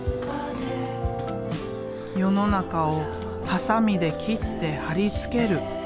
世の中をハサミで切って貼り付ける。